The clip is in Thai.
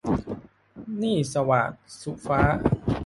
หนี้สวาท - สุฟ้า